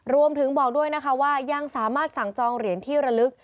รวมถึงบอกด้วยว่ายังสามารถสั่งจองเหรียญที่ระลึก